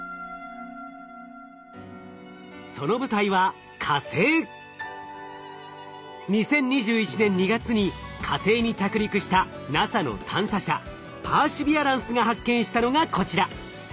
その舞台は２０２１年２月に火星に着陸したＮＡＳＡの探査車パーシビアランスが発見したのがこちら。